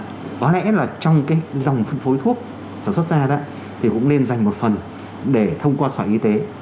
và có lẽ là trong cái dòng phân phối thuốc sản xuất ra đó thì cũng nên dành một phần để thông qua sở y tế